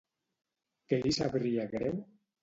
Què li sabria greu?